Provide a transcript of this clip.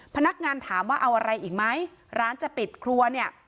พนักงานถามว่าเอาอะไรอีกไหมร้านจะปิดครัวเนี่ย